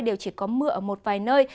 đều chỉ có mưa ở một vài nơi